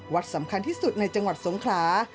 สำคัญที่สุดในจังหวัดสงขลา